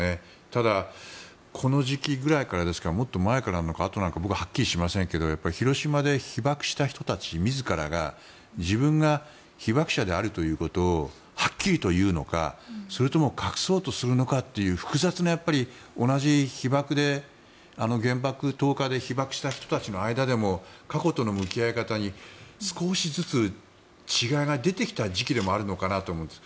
ただ、この時期ぐらいからかもっと前なのか、あとなのか僕ははっきりしませんけど広島で被爆した人たち自らが自分が被爆者であるということをはっきりと言うのかそれとも、隠そうとするのか複雑な同じ被爆で原爆投下で被爆した人たちの間でも過去との向き合い方に少しずつ、違いが出てきた時期でもあるのかなと思うんです。